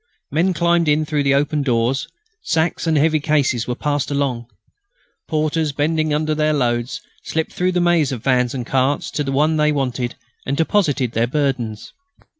Men climbed in through the open doors. Sacks and heavy cases were passed along. Porters, bending under their loads, slipped through the maze of vans and carts to the one they wanted and deposited their burdens.